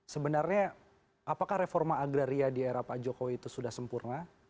sebenarnya apakah reforma agraria di era pak jokowi itu sudah sempurna